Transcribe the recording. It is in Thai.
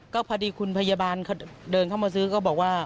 ก็พอดีคุณพยาบาลเดินเข้ามาซื้อก็บอกว่า